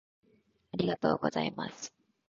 ありがとうございます。